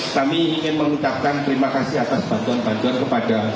kami ingin mengucapkan terima kasih atas bantuan bantuan kepada